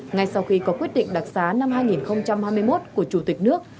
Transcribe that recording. ngay sau khi có quyết định đặc xá năm hai nghìn hai mươi một của chủ tịch nước